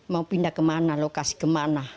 mau pindah ke mana lokasi ke mana